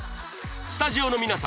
スタジオの皆さん